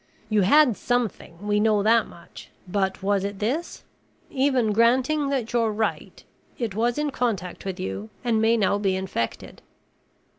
"You had something, we know that much, but was it this? Even granting that you're right, it was in contact with you and may now be infected."